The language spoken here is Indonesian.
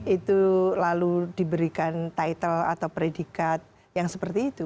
itu lalu diberikan title atau predikat yang seperti itu